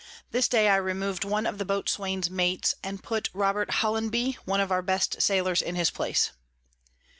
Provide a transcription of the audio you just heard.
This day I remov'd one of the Boatswain's Mates, and put Rob. Hollanby one of our best Sailors in his place.